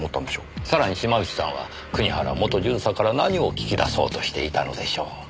さらに島内さんは国原元巡査から何を聞き出そうとしていたのでしょう？